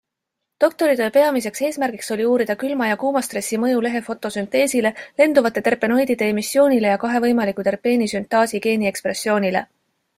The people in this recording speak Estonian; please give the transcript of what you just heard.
Doktoritöö peamiseks eesmärgiks oli uurida külma- ja kuumastressi mõju lehe fotosünteesile, lenduvate terpenoidide emissioonile ja kahe võimaliku terpeeni süntaasi geeni ekspressioonile.